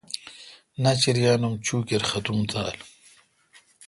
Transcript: ناچریانو اں چوکیر ختم تھال۔